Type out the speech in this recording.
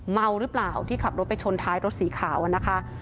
เมาหรือเปล่าที่ขับรถไปชนท้ายรถสีขาวนะคะ